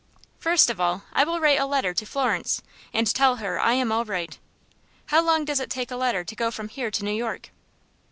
"First of all I will write a letter to Florence, and tell her I am all right. How long does it take a letter to go from here to New York?"